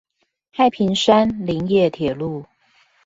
太平山林業鐵路